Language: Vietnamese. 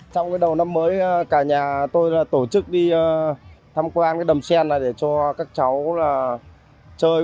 trong đầu năm mới cả nhà tôi tổ chức đi tham quan đầm sen để cho các cháu chơi